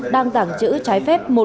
đang tàng chữ trái phép